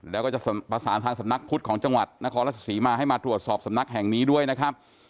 แล้วก็จะประสานทางสำนักพุทธของจังหวัดนครราชศรีมาให้มาตรวจสอบสำนักแห่งนี้ด้วยนะครับ